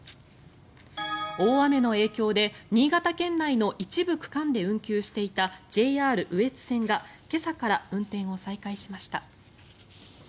大雨の影響で、新潟県内の一部区間で運休していたＪＲ羽越線が今朝から運転を再開しました。